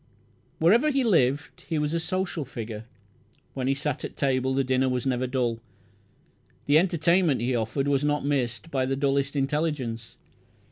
Wherever he lived he was a social figure. When he sat at table the dinner was never dull. The entertainment he offered was not missed by the dullest intelligence.